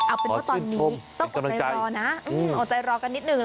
เอาเป็นว่าตอนนี้ต้องอดใจรอนะอดใจรอกันนิดหนึ่ง